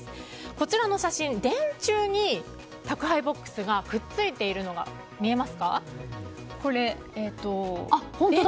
こちらの写真、電柱に宅配ボックスがくっついているの見えますか。